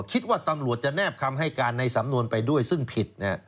คิดว่าตำรวจจะแนบคำให้การในสำนวนไปด้วยซึ่งผิด